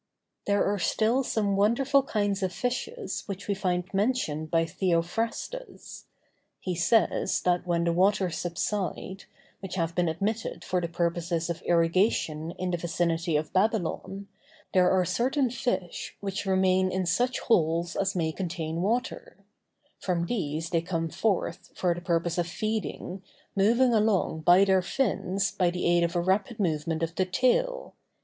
There are still some wonderful kinds of fishes which we find mentioned by Theophrastus: he says, that when the waters subside, which have been admitted for the purposes of irrigation in the vicinity of Babylon, there are certain fish which remain in such holes as may contain water; from these they come forth for the purpose of feeding, moving along with their fins by the aid of a rapid movement of the tail.